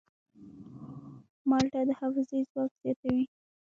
مالټه د حافظې ځواک زیاتوي.